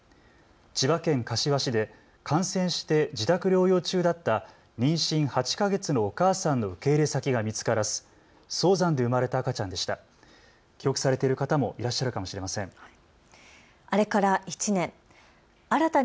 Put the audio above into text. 千葉県柏市で感染して自宅療養中だった妊娠８か月のお母さんの受け入れ先が見つからず早産で生まれた赤ちゃんでした。